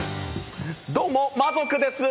どうも魔族です。